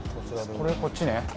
これこっちね。